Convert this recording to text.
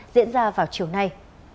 diễn ra vào chiều nay